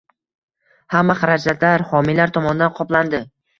Hamma xarajatlar homiylar tomonidan qoplandi.